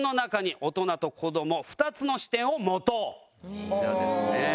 こちらですね。